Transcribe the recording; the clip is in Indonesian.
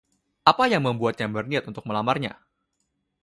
Apa yang membuatnya berniat untuk melamarnya?